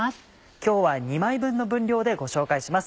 今日は２枚分の分量でご紹介します。